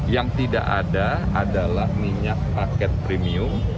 yang tidak ada adalah minyak paket premium